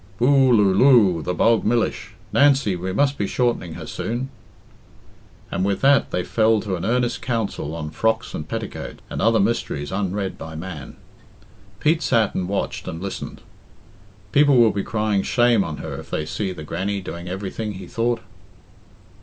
"Boo loo loo! the bog millish! Nancy, we must be shortening her soon." And with that they fell to an earnest council on frocks and petticoats, and other mysteries unread by man. Pete sat and watched and listened. "People will be crying shame on her if they see the Grannie doing everything," he thought.